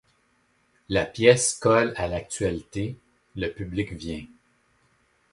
La pièce colle à l'actualité, le public vient.